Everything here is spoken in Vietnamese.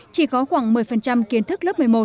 chỉ có khoảng một mươi kiến thức lớp một mươi một